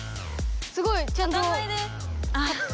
すごい！ちゃんと。